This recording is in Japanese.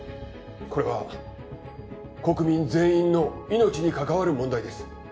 これは国民全員の命に関わる問題です